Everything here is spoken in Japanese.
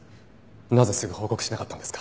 なぜすぐ報告しなかったんですか？